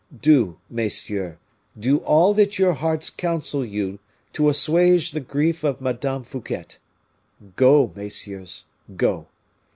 Do, messieurs, do all that your hearts counsel you to assuage the grief of Madame Fouquet. Go, messieurs go!"